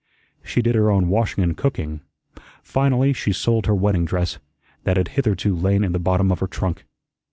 She did her own washing and cooking. Finally she sold her wedding dress, that had hitherto lain in the bottom of her trunk.